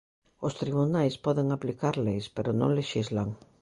Os tribunais poden aplicar leis, pero non lexislan.